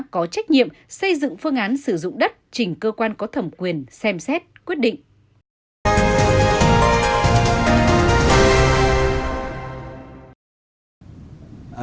có trách nhiệm xây dựng phương án sử dụng đất chỉnh cơ quan có thẩm quyền xem xét quyết định